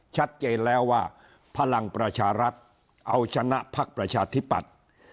ชัดเจนแล้วว่าพลังประชารัฐเอาชนะพักประชาธิปัตย์